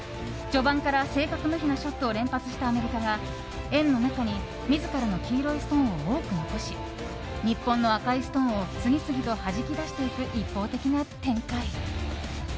序盤から正確無比なショットを連発したアメリカが円の中に自らの黄色いストーンを多く残し日本の赤いストーンを次々とはじき出していく一方的な展開。